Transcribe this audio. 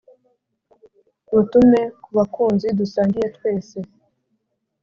Mutume ku bakunzi dusangiye twese